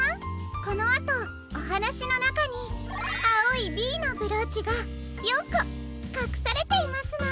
このあとおはなしのなかにあおい「Ｂ」のブローチが４こかくされていますの。